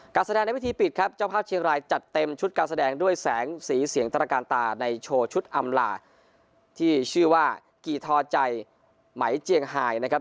การแสดงในวิธีปิดครับเจ้าภาพเชียงรายจัดเต็มชุดการแสดงด้วยแสงสีเสียงตรการตาในโชว์ชุดอำลาที่ชื่อว่ากี่ทอใจไหมเจียงไฮนะครับ